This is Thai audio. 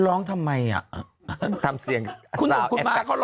ร้องทำไมอ่ะกลับมาเขา